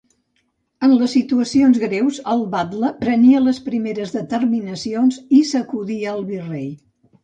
En les situacions greus el batle prenia les primeres determinacions i s'acudia al Virrei.